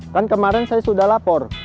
kan kemarin saya sudah lapor